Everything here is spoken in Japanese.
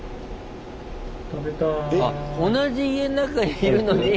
あ同じ家の中にいるのに。